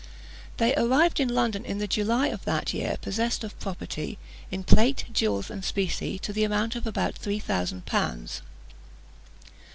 They arrived in London in the July of that year, possessed of property, in plate, jewels, and specie, to the amount of about three thousand pounds.